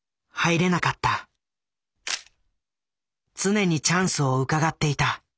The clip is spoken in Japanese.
常にチャンスをうかがっていた。